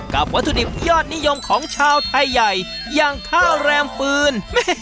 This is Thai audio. วัตถุดิบยอดนิยมของชาวไทยใหญ่อย่างข้าวแรมฟืน